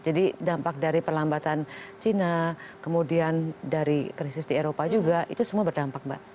jadi dampak dari perlambatan cina kemudian dari krisis di eropa juga itu semua berdampak mbak